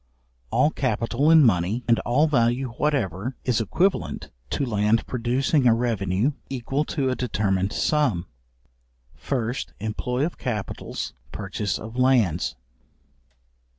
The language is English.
All capital in money, and all value whatever, is equivalent to land producing a revenue equal to a determined sum. First, employ of capitals, purchase of lands.